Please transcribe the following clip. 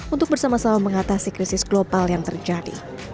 untuk bersama sama mengatasi krisis global yang terjadi